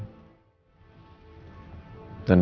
dan dia juga